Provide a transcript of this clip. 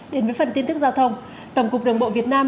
đến với phần tin tức giao thông tổng cục đường bộ việt nam